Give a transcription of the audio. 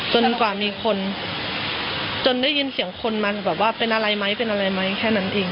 จนกว่ามีคนจนได้ยินเสียงคนมาบอกว่าเป็นอะไรมั้ยเป็นอะไรมั้ยแค่นั้นอีก